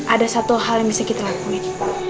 ada satu hal yang bisa kita lakuin